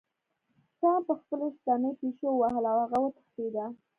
ټام په خپلې ستنې پیشو ووهله او هغه وتښتیده.